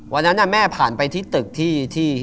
วันนั้นแม่ผ่านไปที่ตึกที่